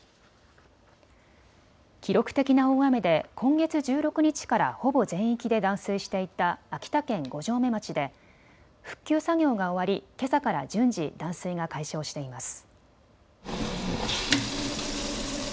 記録的な大雨で今月１６日からほぼ全域で断水していた秋田県五城目町で復旧作業が終わり、けさから順次、断水が解消しています。